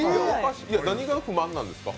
何が不満なんですか？